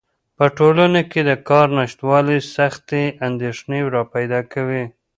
په ټولنه کې د کار نشتوالی سختې اندېښنې راپیدا کوي.